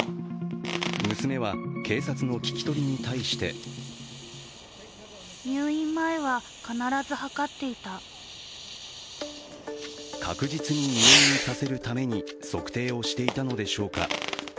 娘は、警察の聞き取りに対して確実に入院させるために測定をしていたのでしょうか。